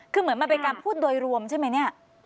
คือเหมือนมันเป็นการพูดโดยรวมใช่ไหมเนี่ย